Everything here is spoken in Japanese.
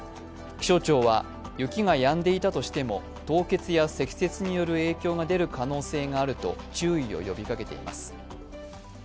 気象庁は、雪がやんでいたとしても凍結や積雪による影響が出る可能性があると注意を呼びかけています。